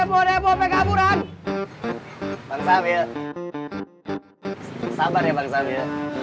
ibu ibu pekapuran bang sambil sabarnya bang sambil